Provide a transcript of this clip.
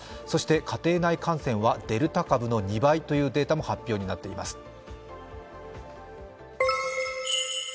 そして家庭内感染はデルタ株の２倍というデータも発表になっています。